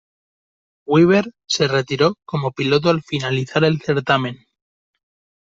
Weaver se retiró como piloto al finalizar el certamen.